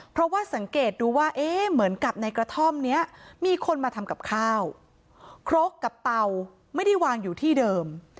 เพราะว่าสังเกตดูว่าเอ๊ะเหมือนกับในกระท่อมนี้มีคนมาทำกับข้าวครกกับเตาไม่ได้วางอยู่ที่เดิม